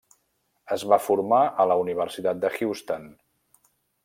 Es va formar a la Universitat de Houston.